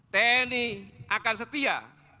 tni akan setia